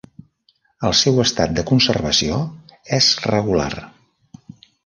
El seu estat de conservació és regular.